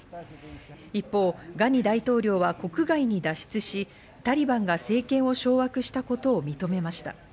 一方、ガニ大統領は国外に脱出し、タリバンが政権を掌握したことを認めました。